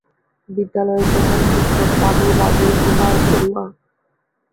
বিদ্যালয়ের প্রধান শিক্ষক বাবু বাদল কুমার বড়ুয়া।